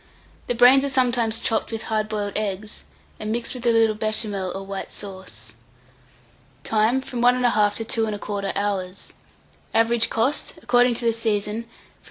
The brains are sometimes chopped with hard boiled eggs, and mixed with a little Béchamel or white sauce. Time. From 1 1/2 to 2 1/4 hours. Average cost, according to the season, from 3s.